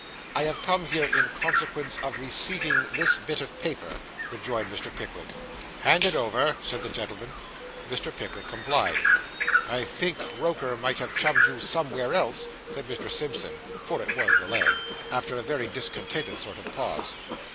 'I have come here in consequence of receiving this bit of paper,' rejoined Mr. Pickwick. 'Hand it over,' said the gentleman. Mr. Pickwick complied. 'I think Roker might have chummed you somewhere else,' said Mr. Simpson (for it was the leg), after a very discontented sort of a pause.